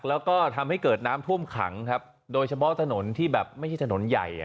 แล้วก็ทำให้เกิดน้ำท่วมขังครับโดยเฉพาะถนนที่แบบไม่ใช่ถนนใหญ่